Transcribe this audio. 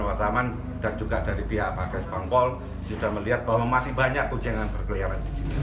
wartaman dan juga dari pihak pakai sepangkol sudah melihat bahwa masih banyak ujian berkeliaran